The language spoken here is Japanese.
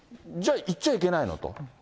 じゃあ、行っちゃいけないのと。